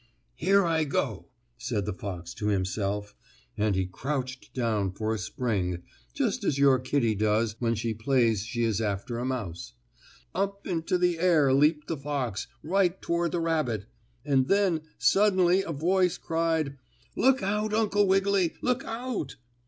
"Here I go!" said the fox to himself, and he crouched down for a spring, just as your kittie does when she plays she is after a mouse. Up into the air leaped the fox, right toward the rabbit. And then, suddenly a voice cried: "Look out, Uncle Wiggily! Look out!"